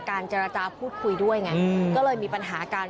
การจราจาพูดคุยด้วยอย่างนั้นก็เลยมีปัญหาการ